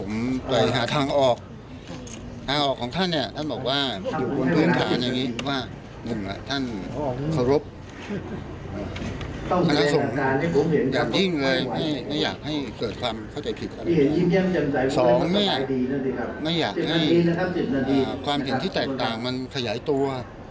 สองแม่ไม่อยากให้ความเห็นที่แตกต่างมันขยายตัว